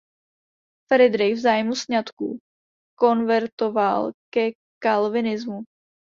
Fridrich v zájmu sňatku konvertoval ke kalvinismu.